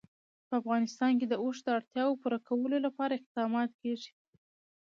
په افغانستان کې د اوښ د اړتیاوو پوره کولو لپاره اقدامات کېږي.